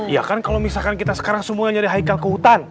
ya kan kalau misalkan kita sekarang semua nyari haikal ke hutan